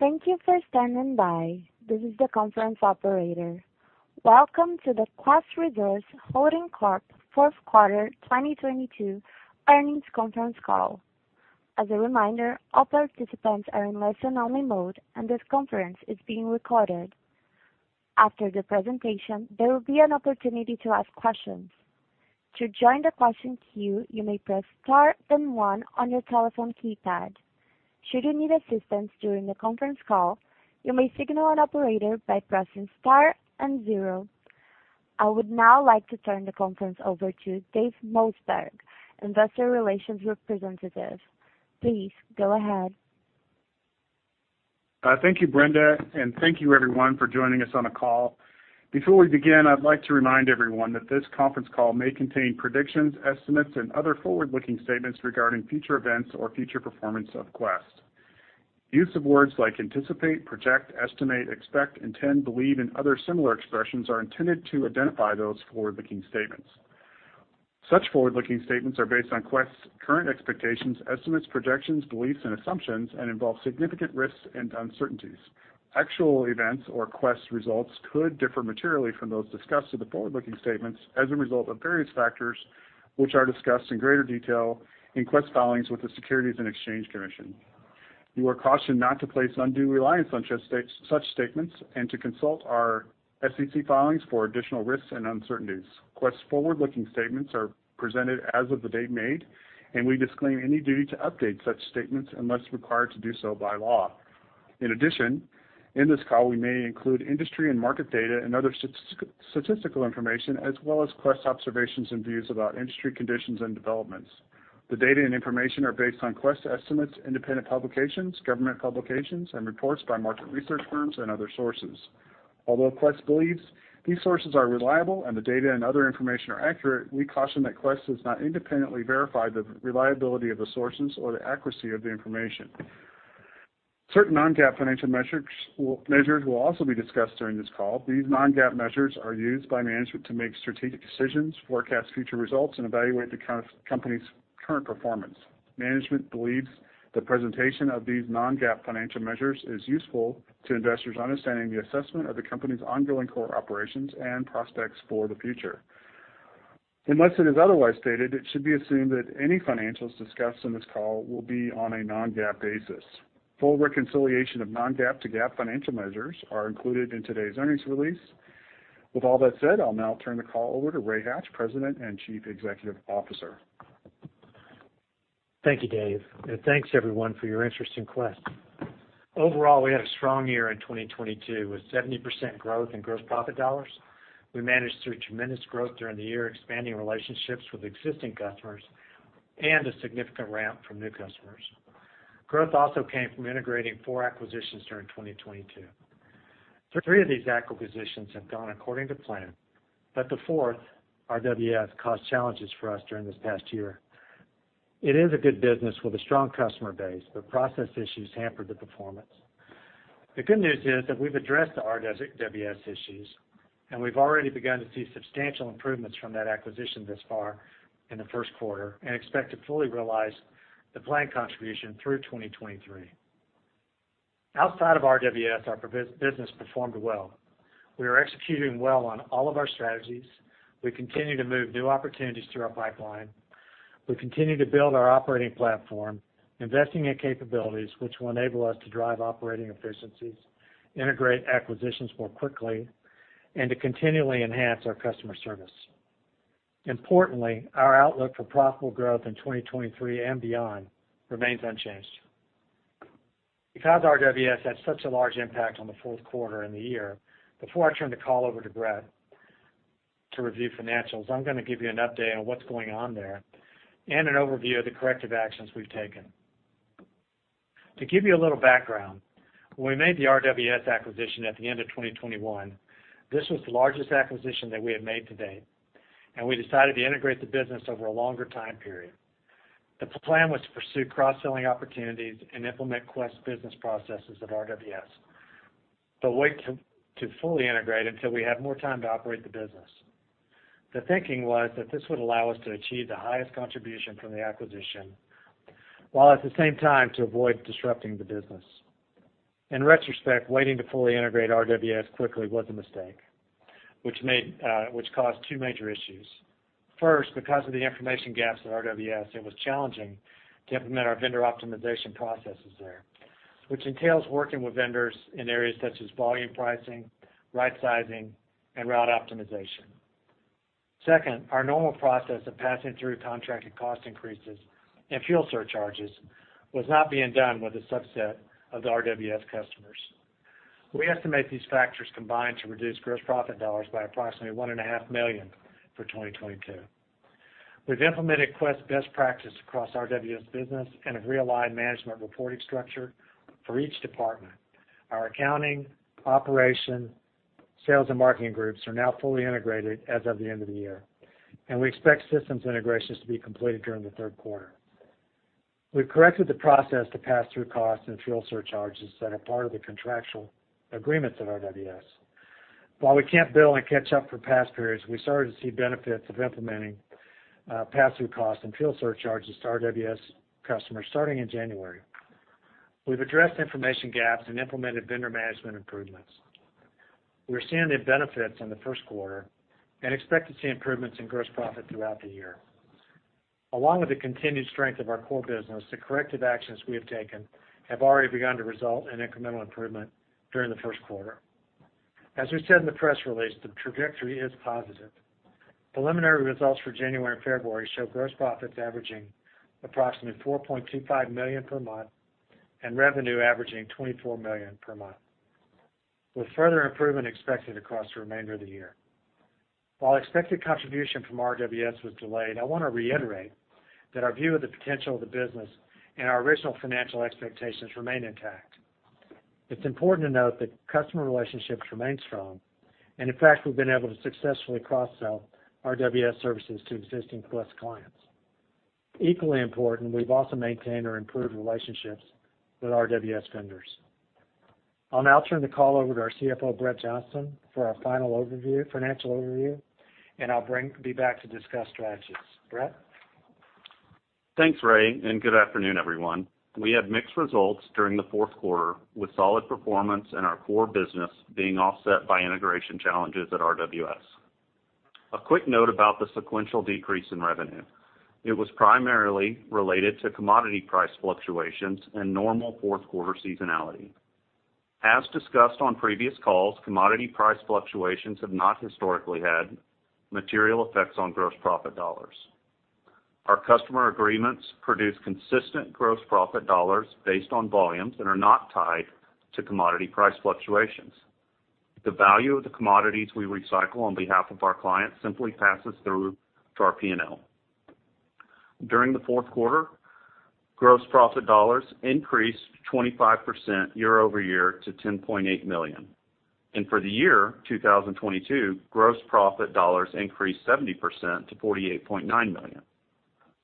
Thank you for standing by. This is the conference operator. Welcome to the Quest Resource Holding Corporation fourth quarter 2022 earnings conference call. As a reminder, all participants are in listen-only mode, and this conference is being recorded. After the presentation, there will be an opportunity to ask questions. To join the question queue, you may press Star then one on your telephone keypad. Should you need assistance during the conference call, you may signal an operator by pressing star and zero. I would now like to turn the conference over to Dave Mossberg, investor relations representative. Please go ahead. Thank you, Brenda, thank you everyone for joining us on the call. Before we begin, I'd like to remind everyone that this conference call may contain predictions, estimates, and other forward-looking statements regarding future events or future performance of Quest. Use of words like anticipate, project, estimate, expect, intend, believe, and other similar expressions are intended to identify those forward-looking statements. Such forward-looking statements are based on Quest's current expectations, estimates, projections, beliefs, and assumptions, and involve significant risks and uncertainties. Actual events or Quest results could differ materially from those discussed in the forward-looking statements as a result of various factors, which are discussed in greater detail in Quest filings with the Securities and Exchange Commission. You are cautioned not to place undue reliance on such statements and to consult our SEC filings for additional risks and uncertainties. Quest forward-looking statements are presented as of the date made, and we disclaim any duty to update such statements unless required to do so by law. In addition, in this call, we may include industry and market data and other statistical information, as well as Quest observations and views about industry conditions and developments. The data and information are based on Quest estimates, independent publications, government publications, and reports by market research firms and other sources. Although Quest believes these sources are reliable and the data and other information are accurate, we caution that Quest has not independently verified the reliability of the sources or the accuracy of the information. Certain non-GAAP financial measures will also be discussed during this call. These non-GAAP measures are used by management to make strategic decisions, forecast future results, and evaluate the company's current performance. Management believes the presentation of these non-GAAP financial measures is useful to investors understanding the assessment of the company's ongoing core operations and prospects for the future. Unless it is otherwise stated, it should be assumed that any financials discussed on this call will be on a non-GAAP basis. Full reconciliation of non-GAAP to GAAP financial measures are included in today's earnings release. With all that said, I'll now turn the call over to Ray Hatch, President and Chief Executive Officer. Thank you, Dave, and thanks everyone for your interest in Quest. Overall, we had a strong year in 2022 with 70% growth in gross profit dollars. We managed through tremendous growth during the year, expanding relationships with existing customers and a significant ramp from new customers. Growth also came from integrating four acquisitions during 2022. Three of these acquisitions have gone according to plan, the fourth, RWS, caused challenges for us during this past year. It is a good business with a strong customer base, process issues hampered the performance. The good news is that we've addressed the RWS issues, and we've already begun to see substantial improvements from that acquisition thus far in the first quarter and expect to fully realize the planned contribution through 2023. Outside of RWS, our business performed well. We are executing well on all of our strategies. We continue to move new opportunities through our pipeline. We continue to build our operating platform, investing in capabilities which will enable us to drive operating efficiencies, integrate acquisitions more quickly, and to continually enhance our customer service. Importantly, our outlook for profitable growth in 2023 and beyond remains unchanged. Because RWS had such a large impact on the fourth quarter and the year, before I turn the call over to Brett to review financials, I'm gonna give you an update on what's going on there and an overview of the corrective actions we've taken. To give you a little background, when we made the RWS acquisition at the end of 2021, this was the largest acquisition that we have made to date, and we decided to integrate the business over a longer time period. The plan was to pursue cross-selling opportunities and implement Quest business processes at RWS, but wait to fully integrate until we had more time to operate the business. The thinking was that this would allow us to achieve the highest contribution from the acquisition, while at the same time to avoid disrupting the business. In retrospect, waiting to fully integrate RWS quickly was a mistake, which caused two major issues. First, because of the information gaps at RWS, it was challenging to implement our vendor optimization processes there, which entails working with vendors in areas such as volume pricing, right sizing, and route optimization. Second, our normal process of passing through contracted cost increases and fuel surcharges was not being done with a subset of the RWS customers. We estimate these factors combined to reduce gross profit dollars by approximately $1.5 million for 2022. We've implemented Quest best practice across RWS business and have realigned management reporting structure for each department. Our accounting, operation, sales, and marketing groups are now fully integrated as of the end of the year. We expect systems integrations to be completed during the third quarter. We've corrected the process to pass through costs and fuel surcharges that are part of the contractual agreements at RWS. While we can't bill and catch up for past periods, we started to see benefits of implementing pass-through costs and fuel surcharges to RWS customers starting in January. We've addressed information gaps and implemented vendor management improvements. We're seeing the benefits in the first quarter and expect to see improvements in gross profit throughout the year. Along with the continued strength of our core business, the corrective actions we have taken have already begun to result in incremental improvement during the first quarter. As we said in the press release, the trajectory is positive. Preliminary results for January and February show gross profits averaging approximately $4.25 million per month and revenue averaging $24 million per month, with further improvement expected across the remainder of the year. While expected contribution from RWS was delayed, I wanna reiterate that our view of the potential of the business and our original financial expectations remain intact. It's important to note that customer relationships remain strong, and in fact, we've been able to successfully cross-sell RWS services to existing Quest clients. Equally important, we've also maintained or improved relationships with RWS vendors. I'll now turn the call over to our CFO, Brett Johnston, for our financial overview, and I'll be back to discuss strategies. Brett? Thanks, Ray. Good afternoon, everyone. We had mixed results during the fourth quarter, with solid performance in our core business being offset by integration challenges at RWS. A quick note about the sequential decrease in revenue. It was primarily related to commodity price fluctuations and normal fourth quarter seasonality. As discussed on previous calls, commodity price fluctuations have not historically had material effects on gross profit dollars. Our customer agreements produce consistent gross profit dollars based on volumes that are not tied to commodity price fluctuations. The value of the commodities we recycle on behalf of our clients simply passes through to our P&L. During the fourth quarter, gross profit dollars increased 25% year-over-year to $10.8 million. For the year, 2022, gross profit dollars increased 70% to $48.9 million.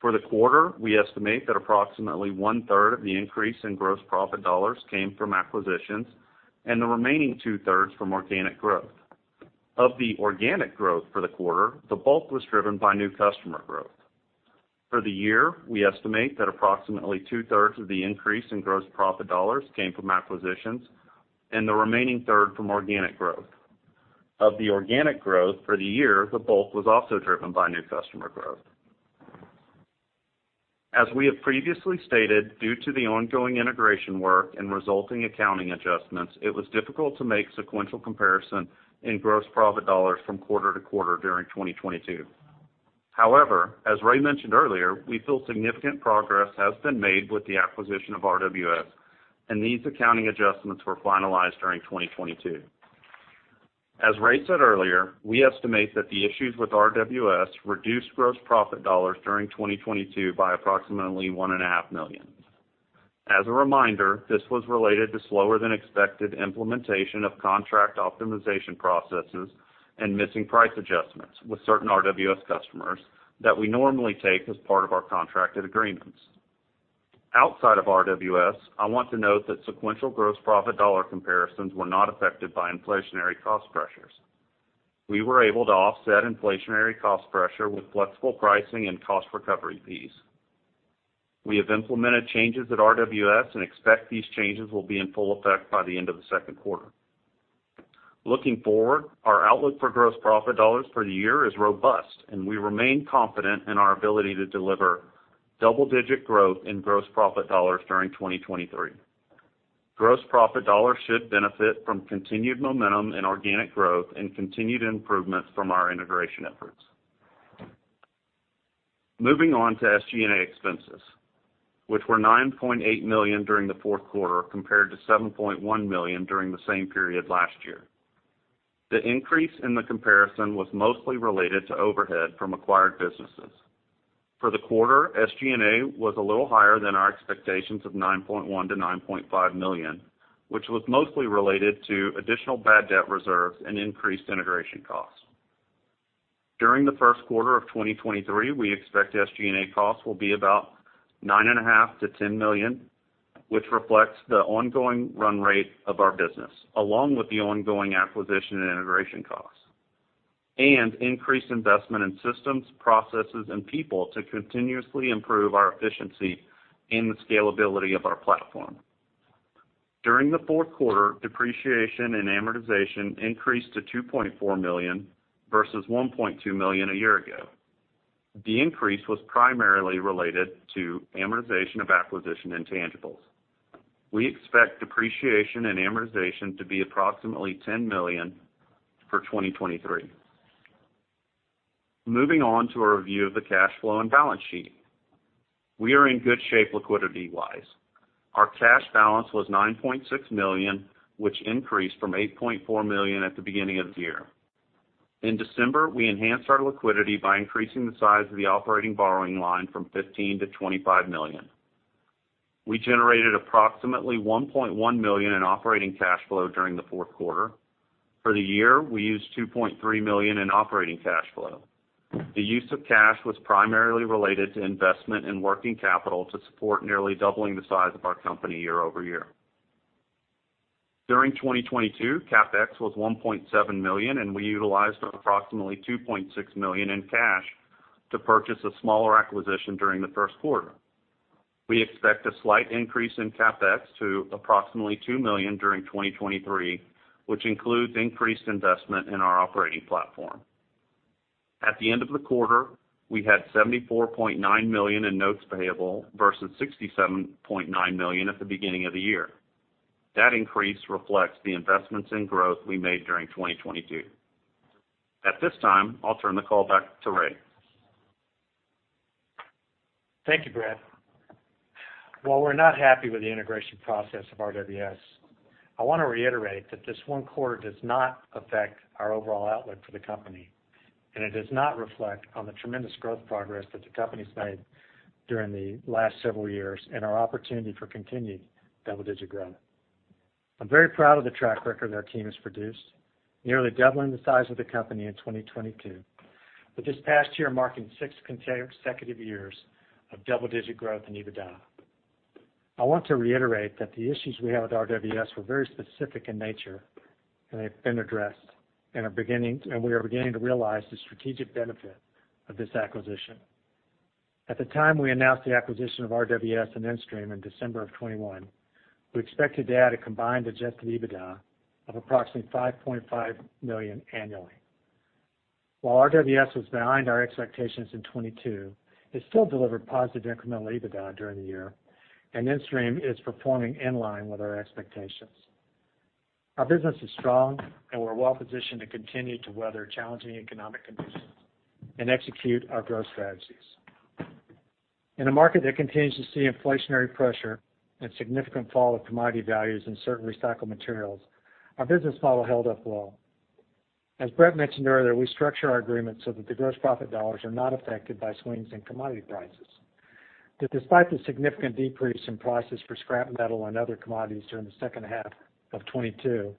For the quarter, we estimate that approximately 1/3 of the increase in gross profit dollars came from acquisitions and the remaining 2/3 from organic growth. Of the organic growth for the quarter, the bulk was driven by new customer growth. For the year, we estimate that approximately 2/3 of the increase in gross profit dollars came from acquisitions and the remaining 1/3 from organic growth. Of the organic growth for the year, the bulk was also driven by new customer growth. As we have previously stated, due to the ongoing integration work and resulting accounting adjustments, it was difficult to make sequential comparison in gross profit dollars from quarter to quarter during 2022. As Ray mentioned earlier, we feel significant progress has been made with the acquisition of RWS, and these accounting adjustments were finalized during 2022. As Ray said earlier, we estimate that the issues with RWS reduced gross profit dollars during 2022 by approximately $1.5 million. As a reminder, this was related to slower than expected implementation of contract optimization processes and missing price adjustments with certain RWS customers that we normally take as part of our contracted agreements. Outside of RWS, I want to note that sequential gross profit dollar comparisons were not affected by inflationary cost pressures. We were able to offset inflationary cost pressure with flexible pricing and cost recovery fees. We have implemented changes at RWS and expect these changes will be in full effect by the end of the second quarter. Looking forward, our outlook for gross profit dollars for the year is robust, and we remain confident in our ability to deliver double-digit growth in gross profit dollars during 2023. Gross profit dollars should benefit from continued momentum and organic growth and continued improvements from our integration efforts. Moving on to SG&A expenses, which were $9.8 million during the fourth quarter compared to $7.1 million during the same period last year. The increase in the comparison was mostly related to overhead from acquired businesses. For the quarter, SG&A was a little higher than our expectations of $9.1 million-$9.5 million, which was mostly related to additional bad debt reserves and increased integration costs. During the first quarter of 2023, we expect SG&A costs will be about $9.5 million-$10 million, which reflects the ongoing run rate of our business, along with the ongoing acquisition and integration costs, and increased investment in systems, processes, and people to continuously improve our efficiency in the scalability of our platform. During the fourth quarter, depreciation and amortization increased to $2.4 million versus $1.2 million a year ago. The increase was primarily related to amortization of acquisition intangibles. We expect depreciation and amortization to be approximately $10 million for 2023. Moving on to a review of the cash flow and balance sheet. We are in good shape liquidity-wise. Our cash balance was $9.6 million, which increased from $8.4 million at the beginning of the year. In December, we enhanced our liquidity by increasing the size of the operating borrowing line from $15 million-$25 million. We generated approximately $1.1 million in operating cash flow during the fourth quarter. For the year, we used $2.3 million in operating cash flow. The use of cash was primarily related to investment in working capital to support nearly doubling the size of our company year-over-year. During 2022, CapEx was $1.7 million, and we utilized approximately $2.6 million in cash to purchase a smaller acquisition during the first quarter. We expect a slight increase in CapEx to approximately $2 million during 2023, which includes increased investment in our operating platform. At the end of the quarter, we had $74.9 million in notes payable versus $67.9 million at the beginning of the year. That increase reflects the investments in growth we made during 2022. At this time, I'll turn the call back to Ray. Thank you, Brett. While we're not happy with the integration process of RWS, I want to reiterate that this one quarter does not affect our overall outlook for the company. It does not reflect on the tremendous growth progress that the company's made during the last several years and our opportunity for continued double-digit growth. I'm very proud of the track record our team has produced, nearly doubling the size of the company in 2022, with this past year marking six consecutive years of double-digit growth in EBITDA. I want to reiterate that the issues we had with RWS were very specific in nature. They've been addressed, and we are beginning to realize the strategic benefit of this acquisition. At the time we announced the acquisition of RWS and InStream in December of 2021, we expected to add a combined adjusted EBITDA of approximately $5.5 million annually. While RWS was behind our expectations in 2022, it still delivered positive incremental EBITDA during the year, and InStream is performing in line with our expectations. Our business is strong, and we're well-positioned to continue to weather challenging economic conditions and execute our growth strategies. In a market that continues to see inflationary pressure and significant fall of commodity values in certain recycled materials, our business model held up well. As Brett mentioned earlier, we structure our agreements so that the gross profit dollars are not affected by swings in commodity prices. Despite the significant decrease in prices for scrap metal and other commodities during the second half of 2022,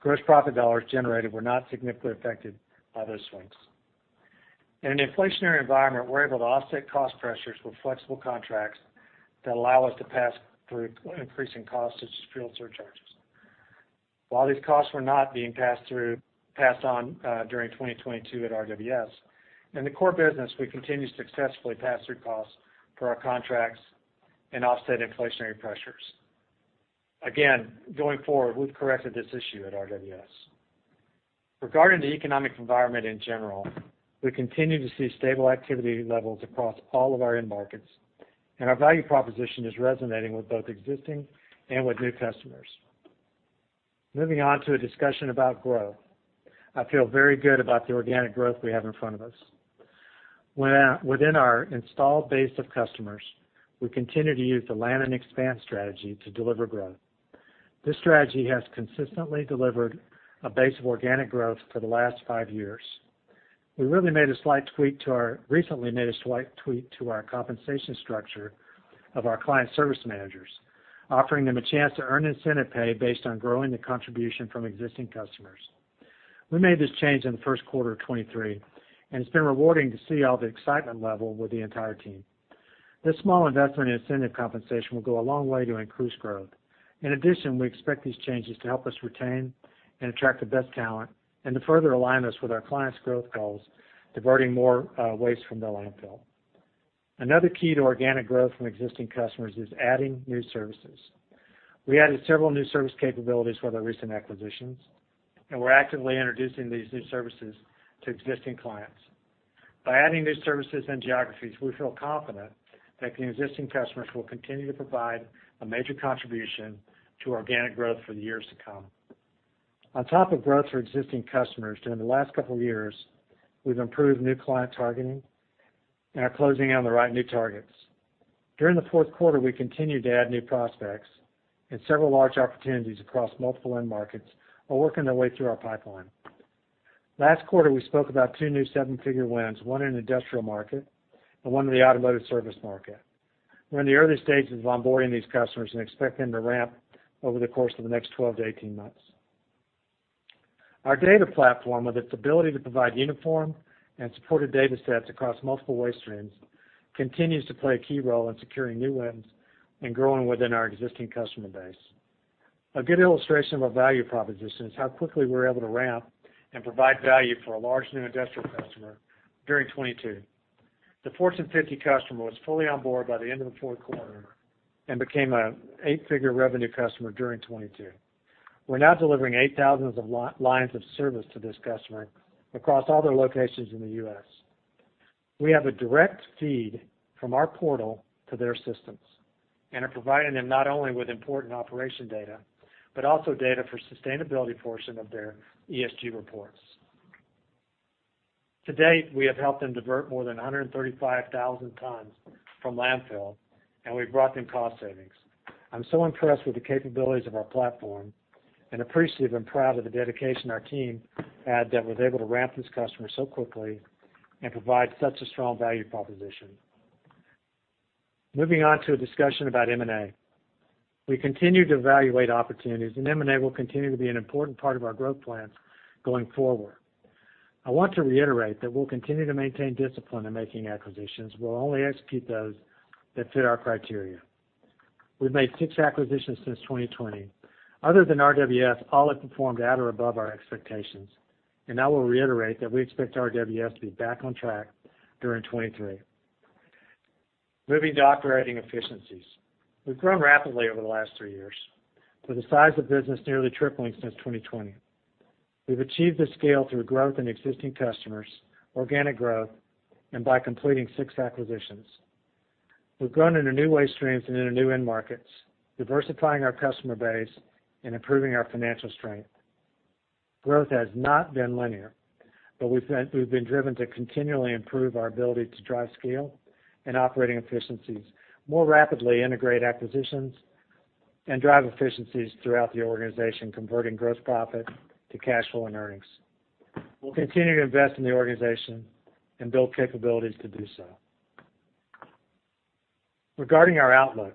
gross profit dollars generated were not significantly affected by those swings. In an inflationary environment, we're able to offset cost pressures with flexible contracts that allow us to pass through increasing costs as fuel surcharges. While these costs were not being passed on during 2022 at RWS, in the core business, we continue to successfully pass through costs for our contracts and offset inflationary pressures. Going forward, we've corrected this issue at RWS. Regarding the economic environment in general, we continue to see stable activity levels across all of our end markets, and our value proposition is resonating with both existing and with new customers. Moving on to a discussion about growth. I feel very good about the organic growth we have in front of us. When, within our installed base of customers, we continue to use the land and expand strategy to deliver growth. This strategy has consistently delivered a base of organic growth for the last five years. We recently made a slight tweak to our compensation structure of our client service managers, offering them a chance to earn incentive pay based on growing the contribution from existing customers. We made this change in the first quarter of 2023, and it's been rewarding to see all the excitement level with the entire team. This small investment in incentive compensation will go a long way to increase growth. In addition, we expect these changes to help us retain and attract the best talent and to further align us with our clients' growth goals, diverting more, waste from the landfill. Another key to organic growth from existing customers is adding new services. We added several new service capabilities with our recent acquisitions, and we're actively introducing these new services to existing clients. By adding new services and geographies, we feel confident that the existing customers will continue to provide a major contribution to organic growth for the years to come. On top of growth for existing customers, during the last couple years, we've improved new client targeting and are closing in on the right new targets. During the fourth quarter, we continued to add new prospects, and several large opportunities across multiple end markets are working their way through our pipeline. Last quarter, we spoke about two new seven-figure wins, one in the industrial market and one in the automotive service market. We're in the early stages of onboarding these customers and expect them to ramp over the course of the next 12-18 months. Our data platform, with its ability to provide uniform and supported datasets across multiple waste streams, continues to play a key role in securing new wins and growing within our existing customer base. A good illustration of our value proposition is how quickly we were able to ramp and provide value for a large new industrial customer during 2022. The Fortune 50 customer was fully on board by the end of the fourth quarter and became a eight figure revenue customer during 2022. We're now delivering 8,000 lines of service to this customer across all their locations in the U.S. We have a direct feed from our portal to their systems and are providing them not only with important operation data, but also data for sustainability portion of their ESG reports. To date, we have helped them divert more than 135,000 tons from landfill. We've brought them cost savings. I'm so impressed with the capabilities of our platform and appreciative and proud of the dedication our team had that was able to ramp this customer so quickly and provide such a strong value proposition. Moving on to a discussion about M&A. We continue to evaluate opportunities. M&A will continue to be an important part of our growth plans going forward. I want to reiterate that we'll continue to maintain discipline in making acquisitions. We'll only execute those that fit our criteria. We've made six acquisitions since 2020. Other than RWS, all have performed at or above our expectations, and I will reiterate that we expect RWS to be back on track during 2023. Moving to operating efficiencies. We've grown rapidly over the last three years, with the size of business nearly tripling since 2020. We've achieved this scale through growth in existing customers, organic growth, and by completing six acquisitions. We've grown into new waste streams and into new end markets, diversifying our customer base and improving our financial strength. Growth has not been linear, but we've been driven to continually improve our ability to drive scale and operating efficiencies, more rapidly integrate acquisitions, and drive efficiencies throughout the organization, converting gross profit to cash flow and earnings. We'll continue to invest in the organization and build capabilities to do so. Regarding our outlook.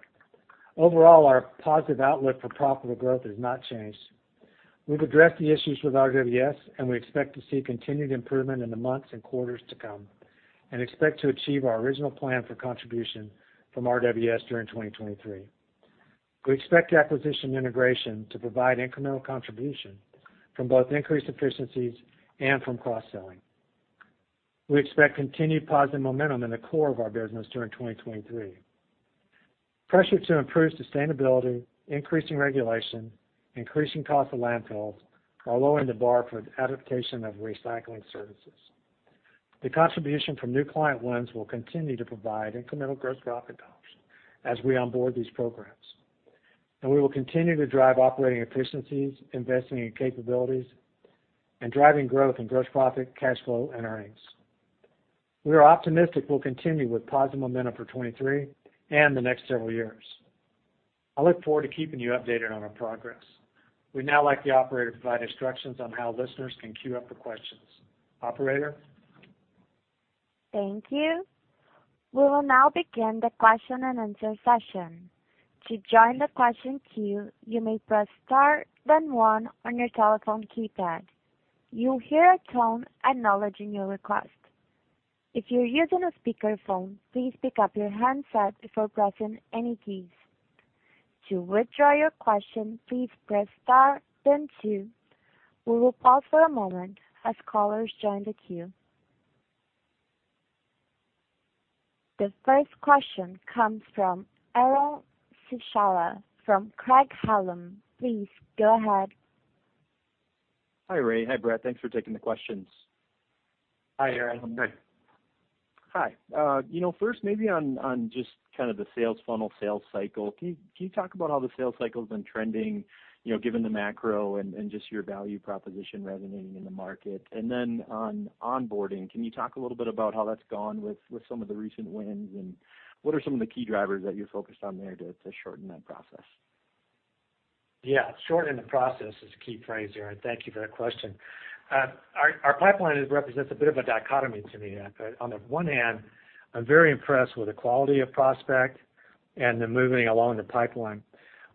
Overall, our positive outlook for profitable growth has not changed. We've addressed the issues with RWS, and we expect to see continued improvement in the months and quarters to come, and expect to achieve our original plan for contribution from RWS during 2023. We expect acquisition integration to provide incremental contribution from both increased efficiencies and from cross-selling. We expect continued positive momentum in the core of our business during 2023. Pressure to improve sustainability, increasing regulation, increasing cost of landfills are lowering the bar for adaptation of recycling services. The contribution from new client wins will continue to provide incremental gross profit dollars as we onboard these programs. We will continue to drive operating efficiencies, investing in capabilities, and driving growth in gross profit, cash flow, and earnings. We are optimistic we'll continue with positive momentum for 2023 and the next several years. I look forward to keeping you updated on our progress. We'd now like the Operator to provide instructions on how listeners can queue up for questions. Operator? Thank you. We will now begin the question-and-answer session. To join the question queue, you may press star then one on your telephone keypad. You'll hear a tone acknowledging your request. If you're using a speakerphone, please pick up your handset before pressing any keys. To withdraw your question, please press star then two. We will pause for a moment as callers join the queue. The first question comes from Aaron Spychalla from Craig-Hallum. Please go ahead. Hi, Ray. Hi, Brett. Thanks for taking the questions. Hi, Aaron. Hey. Hi. You know, first maybe on just kind of the sales funnel, sales cycle, can you talk about how the sales cycle's been trending, you know, given the macro and just your value proposition resonating in the market? On onboarding, can you talk a little bit about how that's gone with some of the recent wins, and what are some of the key drivers that you're focused on there to shorten that process? Yeah, shortening the process is a key phrase there. Thank you for that question. Our pipeline is represents a bit of a dichotomy to me. On the one hand, I'm very impressed with the quality of prospect and the moving along the pipeline.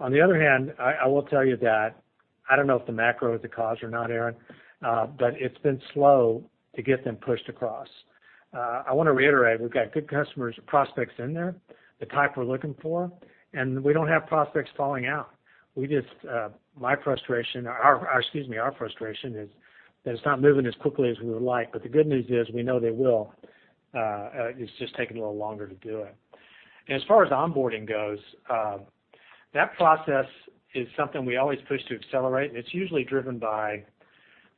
On the other hand, I will tell you that I don't know if the macro is the cause or not, Aaron. It's been slow to get them pushed across. I wanna reiterate, we've got good customers and prospects in there, the type we're looking for. We don't have prospects falling out. We just. My frustration or our, excuse me, our frustration is that it's not moving as quickly as we would like. The good news is we know they will. It's just taking a little longer to do it. As far as onboarding goes, that process is something we always push to accelerate, and it's usually driven by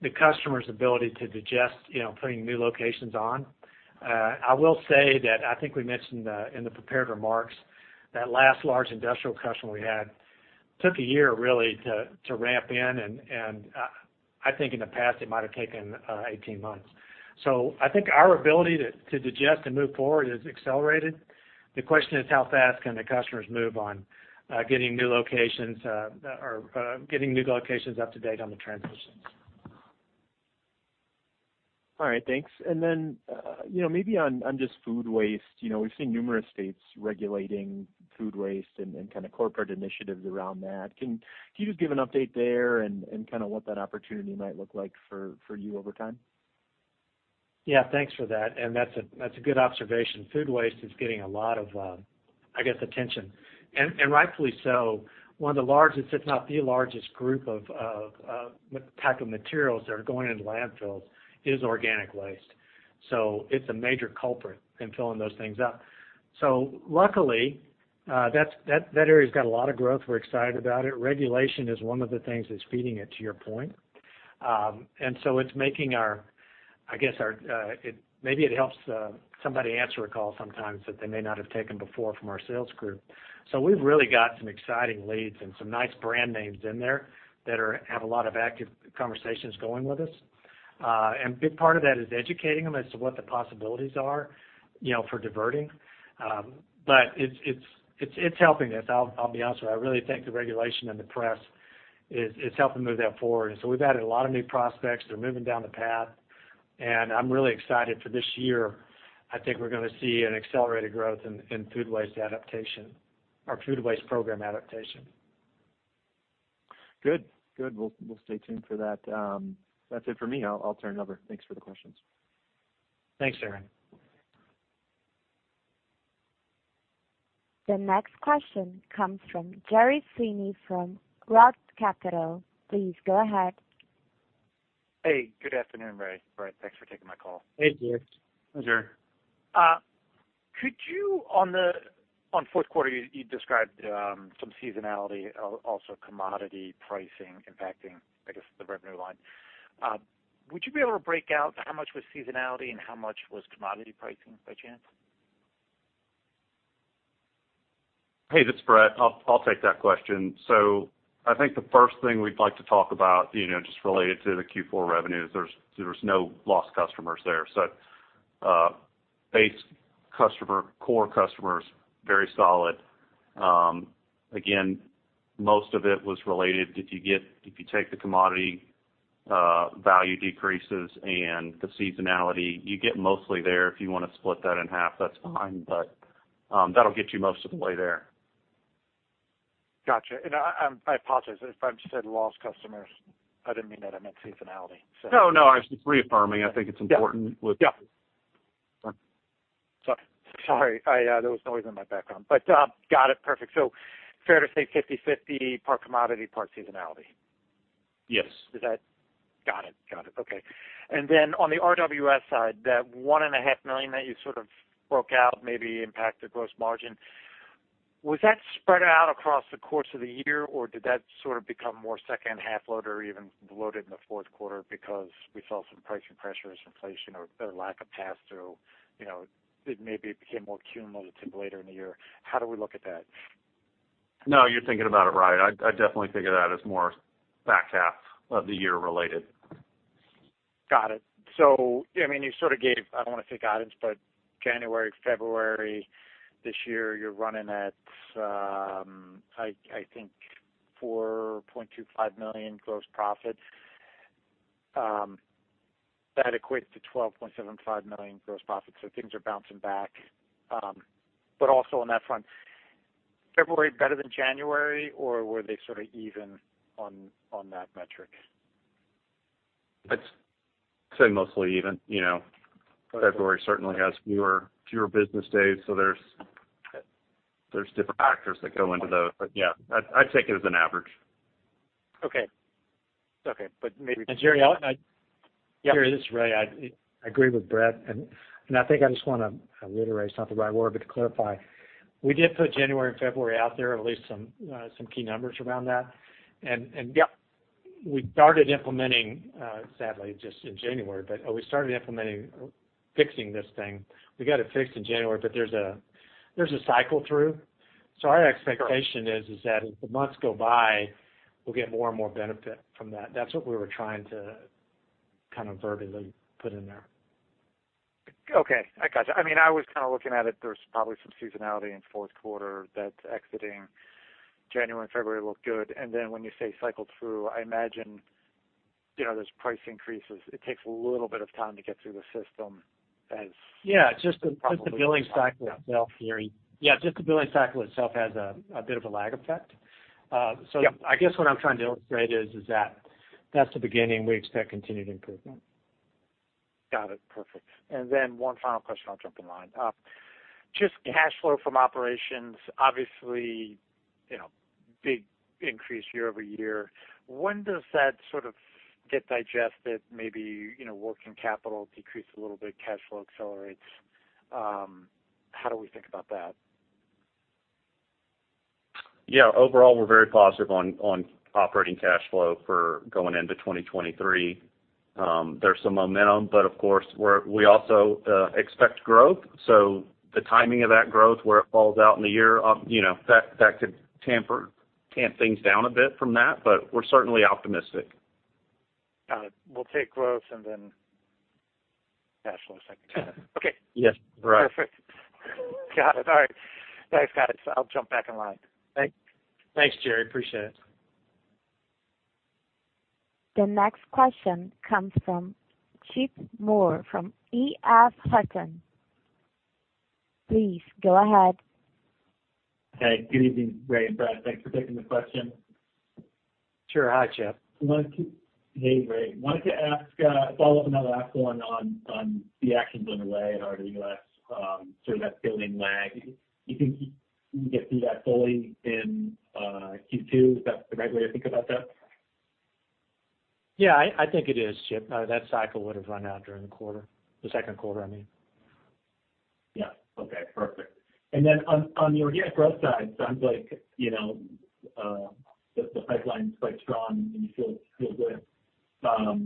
the customer's ability to digest, you know, putting new locations on. I will say that I think we mentioned in the prepared remarks that last large industrial customer we had took a year really to ramp in and, I think in the past it might have taken 18 months. I think our ability to digest and move forward has accelerated. The question is how fast can the customers move on, getting new locations, or getting new locations up to date on the transitions. All right. Thanks. Then, you know, maybe on just food waste, you know, we've seen numerous states regulating food waste and kind of corporate initiatives around that. Can you just give an update there and kind of what that opportunity might look like for you over time? Yeah. Thanks for that, and that's a good observation. Food waste is getting a lot of, I guess, attention, and rightfully so. One of the largest, if not the largest group of type of materials that are going into landfills is organic waste, so it's a major culprit in filling those things up. Luckily, that area's got a lot of growth. We're excited about it. Regulation is one of the things that's feeding it, to your point. It's making our, I guess, our, maybe it helps somebody answer a call sometimes that they may not have taken before from our sales group. We've really got some exciting leads and some nice brand names in there that have a lot of active conversations going with us. A big part of that is educating them as to what the possibilities are, you know, for diverting. It's helping us. I'll be honest with you. I really think the regulation and the press is helping move that forward. We've added a lot of new prospects. They're moving down the path, and I'm really excited for this year. I think we're gonna see an accelerated growth in food waste adaptation or food waste program adaptation. Good. We'll stay tuned for that. That's it for me. I'll turn it over. Thanks for the questions. Thanks, Aaron. The next question comes from Gerry Sweeney from Roth Capital. Please go ahead. Hey, good afternoon, Ray, Brett. Thanks for taking my call. Hey, Gerry. Hey, Gerry. On the fourth quarter, you described some seasonality, also commodity pricing impacting, I guess, the revenue line. Would you be able to break out how much was seasonality and how much was commodity pricing by chance? Hey, this is Brett. I'll take that question. I think the first thing we'd like to talk about, you know, just related to the Q4 revenues, there's no lost customers there. Base customer, core customers, very solid. Again, most of it was related if you take the commodity value decreases and the seasonality, you get mostly there. If you wanna split that in half, that's fine, but that'll get you most of the way there. Gotcha. I apologize if I said lost customers. I didn't mean that. I meant seasonality. No, no, I was just reaffirming. I think it's important with- Yeah. Sorry. There was noise in my background, but got it. Perfect. Fair to say 50/50, part commodity, part seasonality? Yes. Got it. Okay. On the RWS side, that $1.5 million that you sort of broke out maybe impacted gross margin. Was that spread out across the course of the year, or did that sort of become more second half load or even loaded in the fourth quarter because we saw some pricing pressures, inflation or lack of pass-through? You know, it maybe became more cumulative later in the year. How do we look at that? No, you're thinking about it right. I definitely think of that as more back half of the year related. Got it. I mean, you sort of gave, I don't wanna take guidance, but January, February this year, you're running at, I think $4.25 million gross profits. That equates to $12.75 million gross profits, so things are bouncing back. Also on that front, February better than January, or were they sort of even on that metric? I'd say mostly even, you know. February certainly has fewer business days, so there's different factors that go into those. Yeah, I'd take it as an average. Okay. Gerry, I'll... Yeah. Gerry Sweeney, this is Ray Hatch. I agree with Brett Johnston, and I think I just wanna reiterate, it's not the right word, but to clarify, we did put January and February out there, at least some key numbers around that. We started implementing, sadly just in January, but we started implementing fixing this thing. We got it fixed in January, but there's a cycle through. Our expectation is that as the months go by, we'll get more and more benefit from that. That's what we were trying to kind of verbally put in there. Okay. I gotcha. I mean, I was kind of looking at it, there's probably some seasonality in fourth quarter that's exiting. January and February look good. Then when you say cycle through, I imagine, you know, there's price increases. It takes a little bit of time to get through the system. Yeah, Just the billing cycle itself, Gerry. Yeah, just the billing cycle itself has a bit of a lag effect. Yep. I guess what I'm trying to illustrate is that that's the beginning. We expect continued improvement. Got it. Perfect. One final question, I'll jump in line. Just cash flow from operations, obviously, you know, big increase year-over-year. When does that sort of get digested? Maybe, you know, working capital decrease a little bit, cash flow accelerates. How do we think about that? Yeah. Overall, we're very positive on operating cash flow for going into 2023. There's some momentum, but of course we also expect growth. The timing of that growth, where it falls out in the year, you know, that could tamp things down a bit from that, but we're certainly optimistic. Got it. We'll take growth and then cash flow a second. Okay. Yes. Right. Perfect. Got it. All right. Guys, got it. I'll jump back in line. Thank you. Thanks, Gerry. Appreciate it. The next question comes from Chip Moore from EF Hutton. Please go ahead. Hey, good evening, Ray and Brett. Thanks for taking the question. Sure. Hi, Chip. Hey, Ray. Wanted to ask, follow up on that last one on the actions underway at RWS, sort of that billing lag. You think you can get through that fully in Q2? Is that the right way to think about that? Yeah, I think it is, Chip. That cycle would've run out during the quarter, the second quarter, I mean. Yeah. Okay, perfect. Then on the organic growth side, sounds like, you know, the pipeline's quite strong and you feel good. I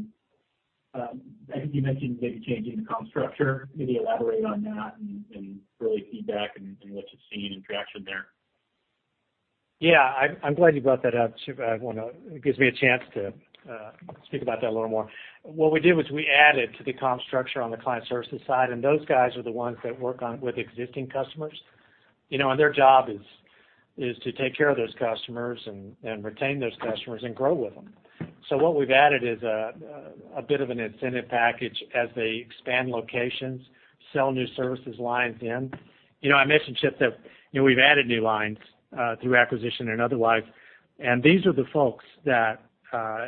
think you mentioned maybe changing the comp structure. Maybe elaborate on that and early feedback and what you're seeing in traction there? Yeah, I'm glad you brought that up, Chip. Well, it gives me a chance to speak about that a little more. What we did was we added to the comp structure on the client services side, and those guys are the ones that work with existing customers. You know, their job is to take care of those customers and retain those customers and grow with them. What we've added is a bit of an incentive package as they expand locations, sell new services lines in. You know, I mentioned, Chip, that, you know, we've added new lines through acquisition and otherwise. These are the folks that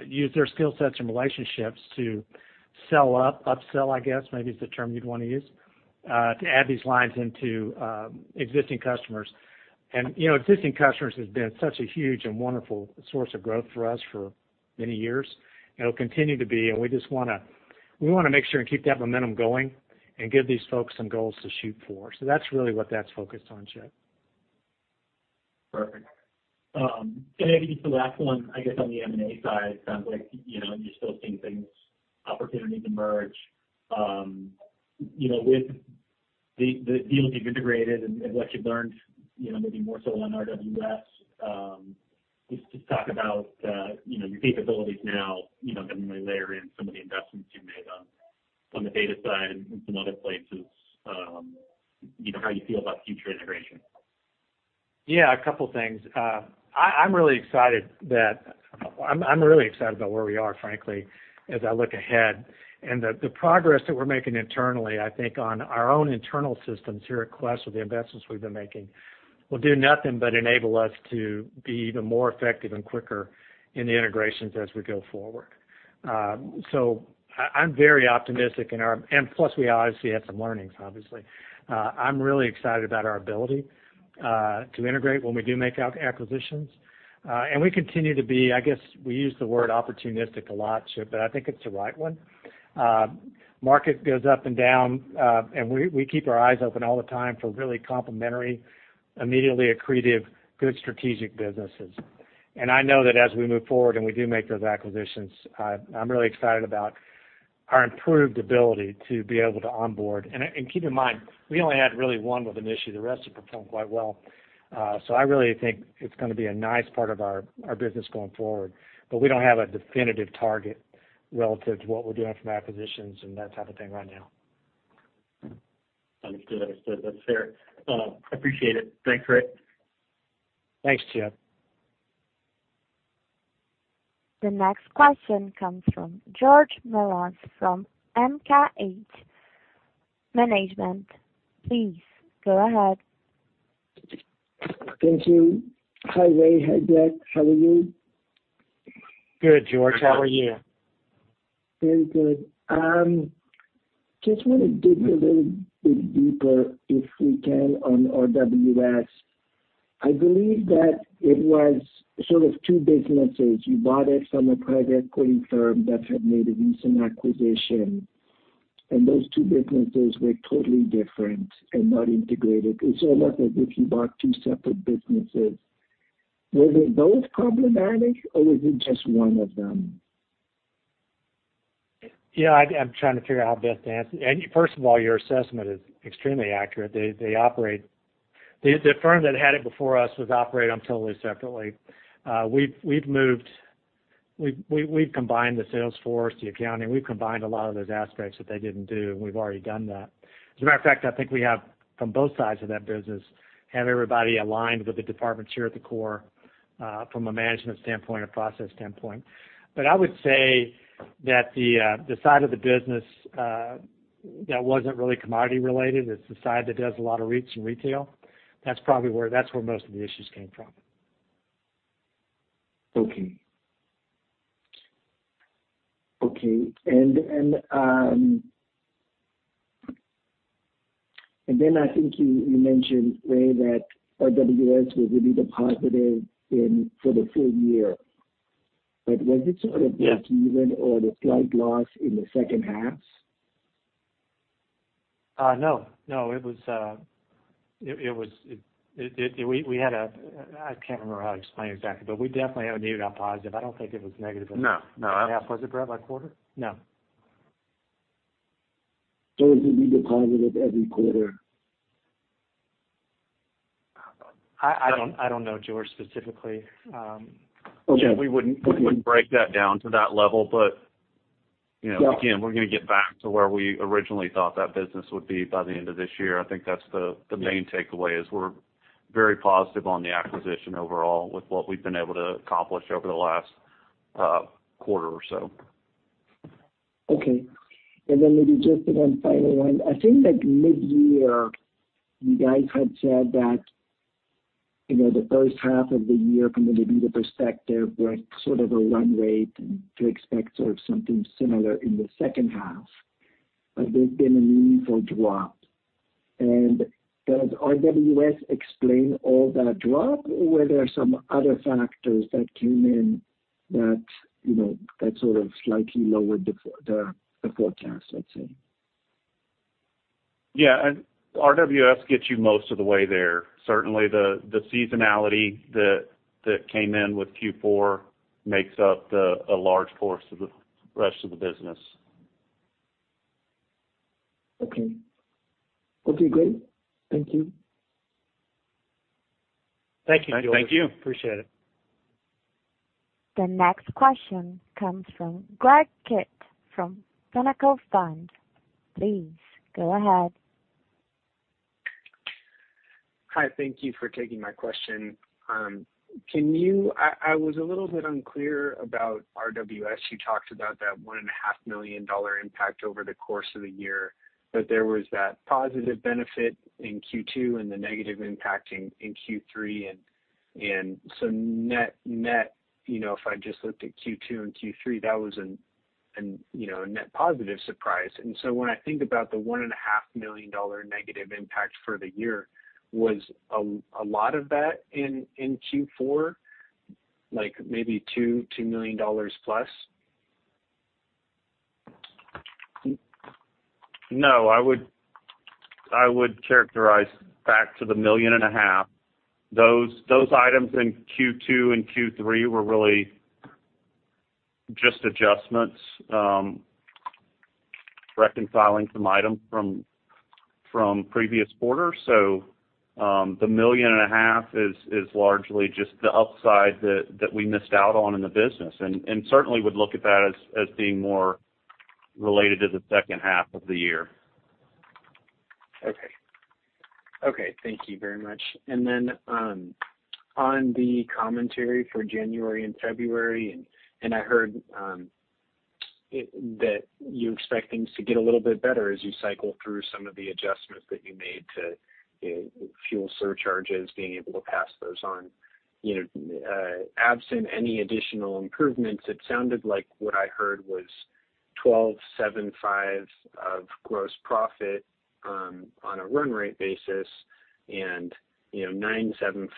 use their skill sets and relationships to sell up, upsell, I guess, maybe is the term you'd wanna use, to add these lines into existing customers. You know, existing customers has been such a huge and wonderful source of growth for us for many years, and it'll continue to be. We just wanna make sure and keep that momentum going and give these folks some goals to shoot for. That's really what that's focused on, Chip. Perfect. Maybe just the last one, I guess, on the M&A side. Sounds like, you know, you're still seeing things, opportunities emerge. You know, with the deals you've integrated and what you've learned, you know, maybe more so on RWS, just talk about, you know, your capabilities now, you know, given where they are in some of the investments you've made on the data side and some other places, you know, how you feel about future integration? Yeah, a couple things. I'm really excited that. I'm really excited about where we are, frankly, as I look ahead. The progress that we're making internally, I think on our own internal systems here at Quest with the investments we've been making, will do nothing but enable us to be even more effective and quicker in the integrations as we go forward. I'm very optimistic in our. Plus we obviously had some learnings, obviously. I'm really excited about our ability to integrate when we do make acquisitions. We continue to be, I guess, we use the word opportunistic a lot, Chip, but I think it's the right one. Market goes up and down, we keep our eyes open all the time for really complementary, immediately accretive, good strategic businesses. I know that as we move forward and we do make those acquisitions, I'm really excited about our improved ability to be able to onboard. Keep in mind, we only had really one with an issue. The rest have performed quite well. I really think it's gonna be a nice part of our business going forward. We don't have a definitive target relative to what we're doing from acquisitions and that type of thing right now. Understood. Understood. That's fair. Appreciate it. Thanks, Ray. Thanks, Chip. The next question comes from George Melas from MKH Management. Please go ahead. Thank you. Hi, Ray. Hi, Jack. How are you? Good, George. How are you? Very good. Just want to dig a little bit deeper, if we can, on RWS. I believe that it was sort of two businesses. You bought it from a private equity firm that had made a recent acquisition, and those two businesses were totally different and not integrated. It's almost as if you bought two separate businesses. Were they both problematic, or was it just one of them? I'm trying to figure out how best to answer. First of all, your assessment is extremely accurate. They operate. The firm that had it before us was operate on totally separately. We've combined the sales force, the accounting. We've combined a lot of those aspects that they didn't do, and we've already done that. As a matter of fact, I think we have, from both sides of that business, have everybody aligned with the departments here at the core, from a management standpoint and process standpoint. I would say that the side of the business that wasn't really commodity related, it's the side that does a lot of some retail. That's where most of the issues came from. Okay. Okay. I think you mentioned, Ray, that RWS will be the positive for the full year. Was it. Yeah breakeven or the slight loss in the second half? No. No. It was. We had a, I can't remember how to explain exactly, but we definitely had a negative or positive. I don't think it was negative in- No. No. Was it, Brett, by quarter? No. It would be positive every quarter? I don't know, George, specifically. Okay. Yeah, we wouldn't break that down to that level, but, you know. Yeah again, we're gonna get back to where we originally thought that business would be by the end of this year. I think that's the main takeaway, is we're very positive on the acquisition overall with what we've been able to accomplish over the last quarter or so. Okay. Maybe just one final one. I think that midyear, you guys had said that, you know, the first half of the year from a maybe the perspective was sort of a run rate to expect sort of something similar in the second half. There's been a meaningful drop. Does RWS explain all that drop, or were there some other factors that came in that, you know, that sort of slightly lowered the forecast, let's say? Yeah. RWS gets you most of the way there. Certainly, the seasonality that came in with Q4 makes up a large portion of the rest of the business. Okay. Okay, great. Thank you. Thank you, George. Thank you. Appreciate it. The next question comes from Greg Kitt from Pinnacle Fund. Please go ahead. Hi. Thank you for taking my question. I was a little bit unclear about RWS. You talked about that $1.5 million impact over the course of the year, but there was that positive benefit in Q2 and the negative impact in Q3 and so net, you know, if I just looked at Q2 and Q3, that was an, you know, a net positive surprise. When I think about the $1.5 million negative impact for the year, was a lot of that in Q4? Like, maybe $2 million+? No, I would characterize back to the million and a half. Those items in Q2 and Q3 were really just adjustments, reconciling some items from previous quarters. The million and a half is largely just the upside that we missed out on in the business. Certainly would look at that as being more related to the second half of the year. Okay, thank you very much. Then, on the commentary for January and February, and I heard that you expect things to get a little bit better as you cycle through some of the adjustments that you made to, you know, fuel surcharges, being able to pass those on. You know, absent any additional improvements, it sounded like what I heard was $12.75 million of gross profit on a run rate basis and, you know, $9.75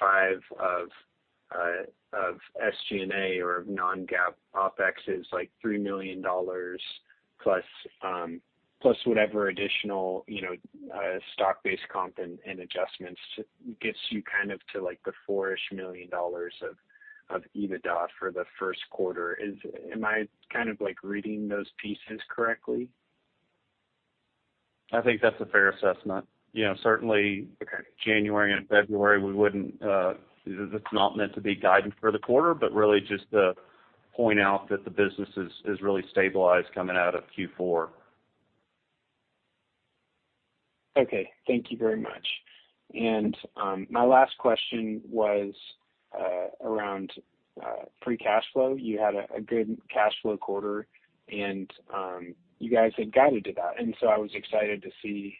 million of SG&A or non-GAAP OpEx is like $3 million plus whatever additional, you know, stock-based comp and adjustments gets you kind of to like the $4 million-ish of EBITDA for the first quarter. Am I kind of like reading those pieces correctly? I think that's a fair assessment. You know. Okay. January and February, we wouldn't. It's not meant to be guidance for the quarter, but really just to point out that the business is really stabilized coming out of Q4. Okay. Thank you very much. My last question was around free cash flow. You had a good cash flow quarter and you guys had guided to that. I was excited to see,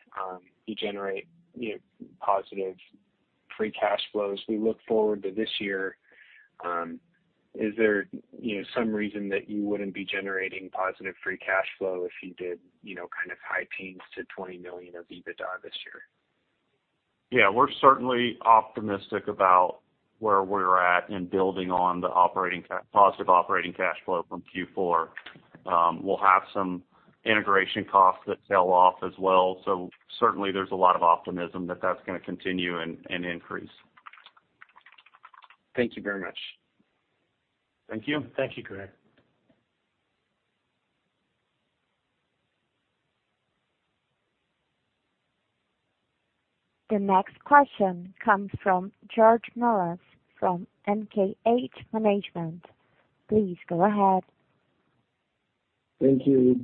you generate, you know, positive free cash flows. We look forward to this year. Is there, you know, some reason that you wouldn't be generating positive free cash flow if you did, you know, kind of high teens to $20 million of EBITDA this year? Yeah. We're certainly optimistic about where we're at in building on the positive operating cash flow from Q4. We'll have some integration costs that tail off as well. Certainly there's a lot of optimism that that's gonna continue and increase. Thank you very much. Thank you. Thank you, Greg. The next question comes from George Melas from MKH Management. Please go ahead. Thank you.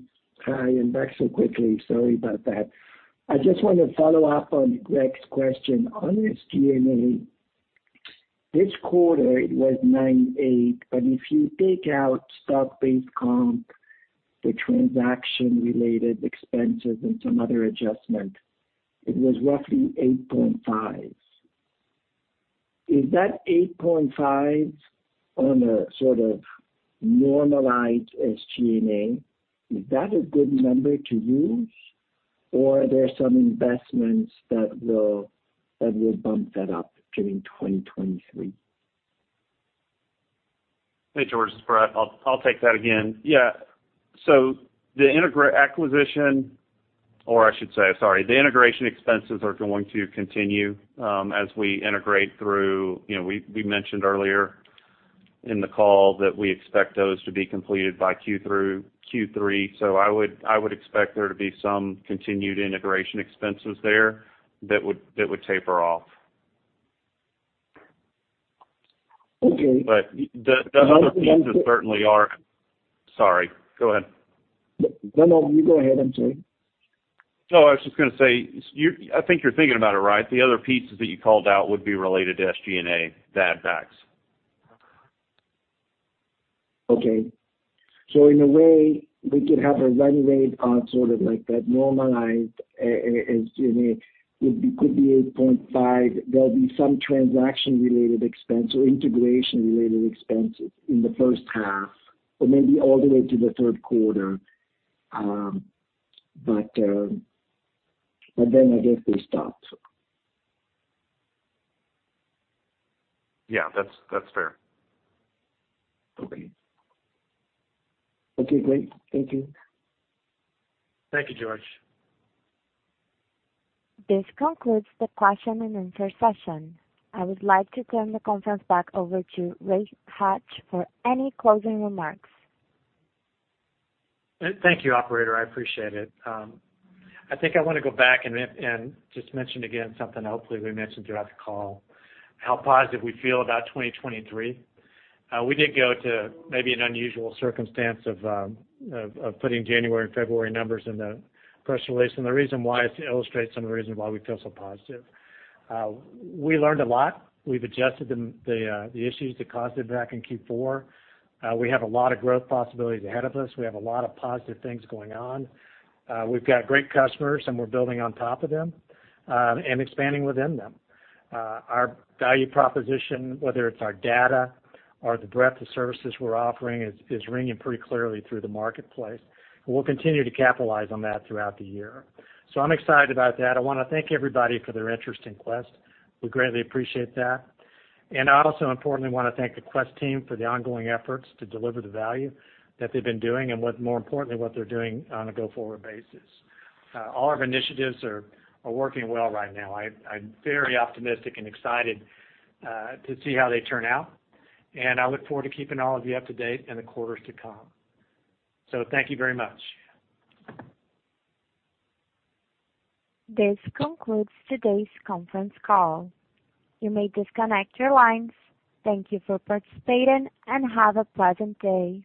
Hi, I'm back so quickly. Sorry about that. I just want to follow up on Greg's question on SG&A. This quarter it was 9.8, but if you take out stock-based comp, the transaction related expenses and some other adjustment, it was roughly 8.5. Is that 8.5 on a sort of normalized SG&A? Is that a good number to use or are there some investments that will bump that up during 2023? Hey, George, it's Brett. I'll take that again. The acquisition, or I should say, sorry, the integration expenses are going to continue as we integrate through. You know, we mentioned earlier in the call that we expect those to be completed by Q through Q3. I would expect there to be some continued integration expenses there that would taper off. Okay. The other pieces certainly are. Sorry, go ahead. No, no, you go ahead. I'm sorry. No, I was just gonna say, I think you're thinking about it right. The other pieces that you called out would be related to SG&A, bad debts. In a way, we could have a run rate on sort of like that normalized SG&A. It could be 8.5. There'll be some transaction related expense or integration related expenses in the first half or maybe all the way to the third quarter. Then I guess they stop. Yeah, that's fair. Okay. Okay, great. Thank you. Thank you, George. This concludes the question and answer session. I would like to turn the conference back over to Ray Hatch for any closing remarks. Thank you, operator. I appreciate it. I think I wanna go back and just mention again something hopefully we mentioned throughout the call, how positive we feel about 2023. We did go to maybe an unusual circumstance of putting January and February numbers in the press release. The reason why is to illustrate some of the reasons why we feel so positive. We learned a lot. We've adjusted the issues that caused it back in Q4. We have a lot of growth possibilities ahead of us. We have a lot of positive things going on. We've got great customers, and we're building on top of them, and expanding within them. Our value proposition, whether it's our data or the breadth of services we're offering is ringing pretty clearly through the marketplace. We'll continue to capitalize on that throughout the year. I'm excited about that. I wanna thank everybody for their interest in Quest. We greatly appreciate that. I also importantly wanna thank the Quest team for the ongoing efforts to deliver the value that they've been doing and more importantly, what they're doing on a go-forward basis. All of our initiatives are working well right now. I'm very optimistic and excited to see how they turn out, and I look forward to keeping all of you up to date in the quarters to come. Thank you very much. This concludes today's conference call. You may disconnect your lines. Thank you for participating, and have a pleasant day.